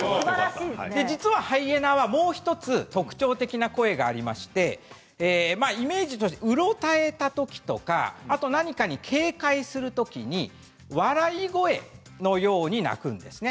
実はハイエナは、もう１つ特徴的な声がありましてイメージとしてうろたえたときとか何かに警戒するときに笑い声のように鳴くんですね。